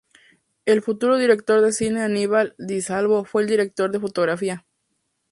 El futuro director de cine Aníbal Di Salvo fue el director de fotografía.